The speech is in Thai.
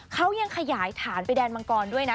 เขายังขยายฐานไปแดนมังกรด้วยนะ